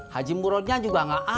haji murodnya juga gak ada